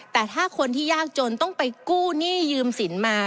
แต่ถ้าคนที่ยากจนต้องไปกู้หนี้ยืมสินมา